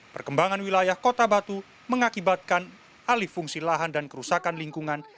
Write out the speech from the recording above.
perkembangan wilayah kota batu mengakibatkan alih fungsi lahan dan kerusakan lingkungan